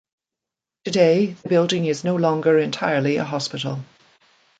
Today, the building is no longer entirely a hospital.